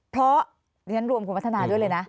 เพราะอย่างนั้นรวมคุณพัฒนาด้วยเลยนะ